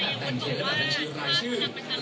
อันนี้จะต้องจับเบอร์เพื่อที่จะแข่งกันแล้วคุณละครับ